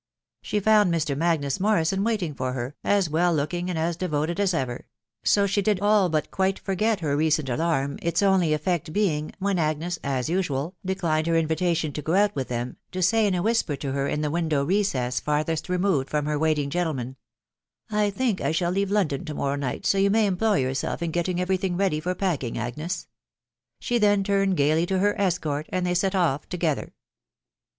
She found Mr. Magnus Morrison waiting for her, as well looking and as devoted as ever ; to she did all but quite forget her recent alarm, its only effect being, when Agnes, as usual, declined her invitation to go out with them, tp say in a whis per to her in the window recess farthest removed from her waiting gentleman, " I think I shall leave London to morrow night, so you may employ yourself in getting every thing ready for packing, Agnes. .••" She then turned gaily to her escort, and they set off together.